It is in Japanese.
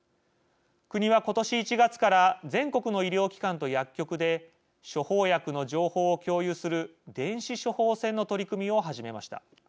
国は今年１月から全国の医療機関と薬局で処方薬の情報を共有する電子処方箋の取り組みを始めました。